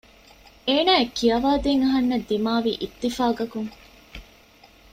އޭނާއަށް ކިޔަވާ ދޭން އަހަންނަށް ދިމާވީ އިއްތިފާގަކުން